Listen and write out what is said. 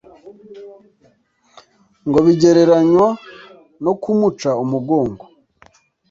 ngo bigereranywa no kumuca umugongo